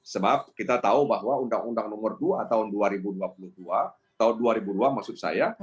sebab kita tahu bahwa undang undang nomor dua tahun dua ribu dua puluh dua tahun dua ribu dua maksud saya